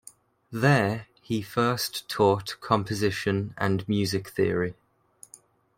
There, he first taught composition and music theory.